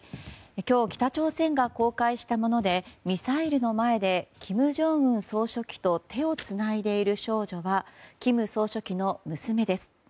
今日、北朝鮮が公開したものでミサイルの前で金正恩総書記と手をつないでいる少女は金総書記の娘です。